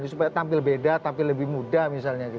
supaya tampil beda tapi lebih mudah misalnya